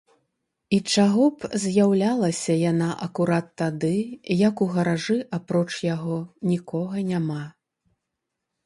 І чаго б з'яўлялася яна акурат тады, як у гаражы, апроч яго, нікога няма?